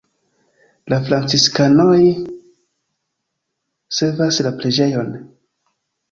La franciskanoj servas la preĝejon.